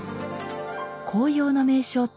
紅葉の名所